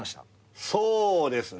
そうですね。